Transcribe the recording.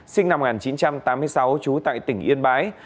sinh năm một nghìn chín trăm tám mươi sáu trú tại tỉnh yên bái